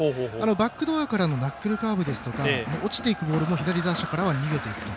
バックハンドからのナックルカーブですとか落ちていくボールも左打者からは逃げていくと。